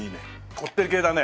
こってり系だね。